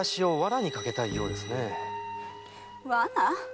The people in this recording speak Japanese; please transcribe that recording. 罠？